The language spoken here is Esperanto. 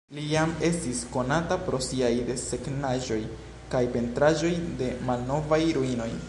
Li jam estis konata pro siaj desegnaĵoj kaj pentraĵoj de malnovaj ruinoj.